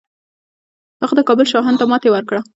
هغه د کابل شاهانو ته ماتې ورکړه